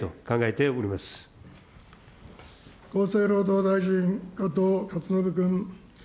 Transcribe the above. ま厚生労働大臣、加藤勝信君。